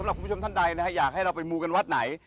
เอาละค่ะสำหรับท่านใดอยากให้เราไปมูกันวัดไหน